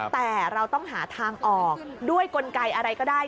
แต่เราต้องหาทางออกด้วยกลไกอะไรก็ได้